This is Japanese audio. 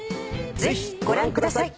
ぜひご覧ください。